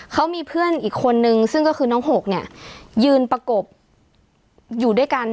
เขามีเพื่อนอีกคนนึงซึ่งก็คือน้องหกเนี่ยยืนประกบอยู่ด้วยกัน